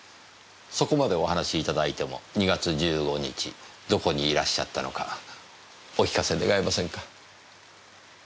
そこまでお話しいただいても２月１５日どこにいらっしゃったのかお聞かせ願えませんか？